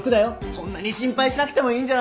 そんなに心配しなくてもいいんじゃないかな。